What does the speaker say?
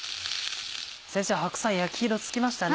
先生白菜焼き色つきましたね。